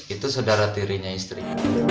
itu saudara tirinya istri